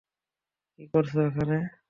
কী করছ এখানে?